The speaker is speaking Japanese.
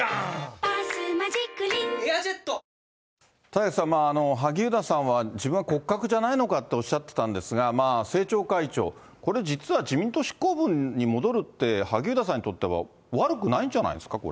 田崎さん、萩生田さんは自分は骨格じゃないのかとおっしゃってたんですが、まあ政調会長、これ実は自民党執行部に戻るって、萩生田さんにとっては悪くないんじゃないですか。